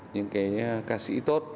những cái ca sĩ tốt